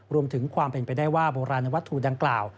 รวมถึงความเป็นไปได้ว่าโบราณวัตถุดังกล่าว